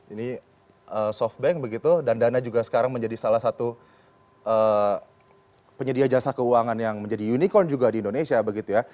ini softbank begitu dan dana juga sekarang menjadi salah satu penyedia jasa keuangan yang menjadi unicorn juga di indonesia begitu ya